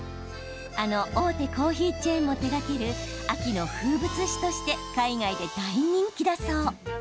あの大手コーヒーチェーンも手がける秋の風物詩として海外で大人気だそう。